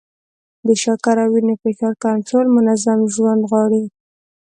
د شکر او وینې فشار کنټرول منظم ژوند غواړي.